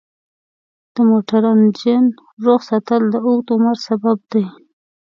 د موټر انجن روغ ساتل د اوږد عمر سبب دی.